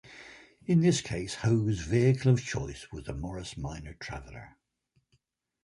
In this case, Ho's vehicle of choice was a Morris Minor Traveller.